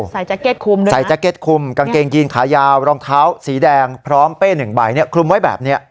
แจ็คเก็ตคุมด้วยใส่แก๊เก็ตคุมกางเกงยีนขายาวรองเท้าสีแดงพร้อมเป้หนึ่งใบเนี่ยคลุมไว้แบบนี้